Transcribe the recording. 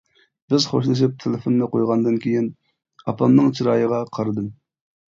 بىز خوشلىشىپ تېلېفوننى قويغاندىن كېيىن، ئاپامنىڭ چىرايىغا قارىدىم.